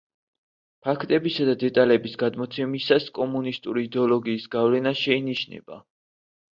ფაქტებისა და დეტალების გადმოცემისას კომუნისტური იდეოლოგიის გავლენა შეინიშნება.